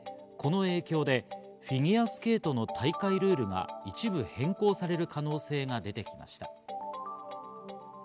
この影響でフィギュアスケートの大会ルールが−部変更される可能性が出てきました。